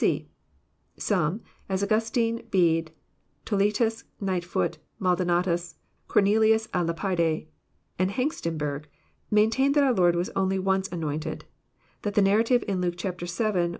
(c) Some, as Augustine, Bede, Toletus, Kightfoct, Maldonatas, Cornelius )k Lapide, and Hengstenberg, maintain that our Lord was only once anointed, — that the narrative in Luke vii.